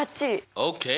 ＯＫ！